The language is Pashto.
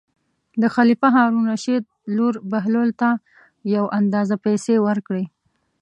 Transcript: د خلیفه هارون الرشید لور بهلول ته یو اندازه پېسې ورکړې.